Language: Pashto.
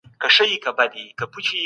افغانان د هغه په زړورتیا ویاړ کاوه.